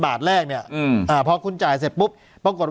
บาทแรกเนี้ยอืมอ่าพอคุณจ่ายเสร็จปุ๊บปรากฏว่าถึง